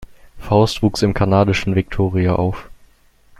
Faust wuchs im kanadischen Victoria auf.